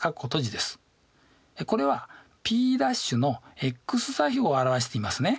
これはＰ′のｘ座標を表していますね。